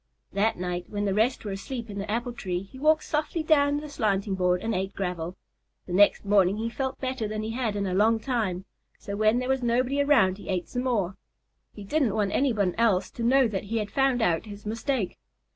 That night, when the rest were asleep in the apple tree, he walked softly down the slanting board and ate gravel. The next morning he felt better than he had in a long time, so when there was nobody around he ate some more. He didn't want anyone else to know that he had found out his mistake.